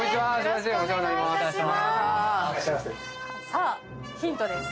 さあヒントです。